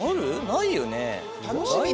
ないよね。